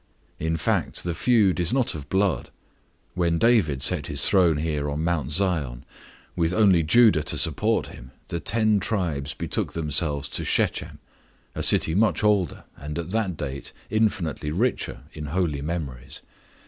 In fact, the feud is not of blood. When David set his throne here on Mount Zion, with only Judah to support him, the ten tribes betook themselves to Shechem, a city much older, and, at that date, infinitely richer in holy memories.